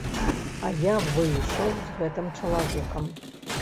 А я выйшаў з гэтым чалавекам.